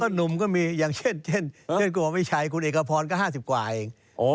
ก็หนุ่มก็มีอย่างเช่นกูบอกว่าไม่ใช่คุณเอกพรก็๕๐กว่าเอง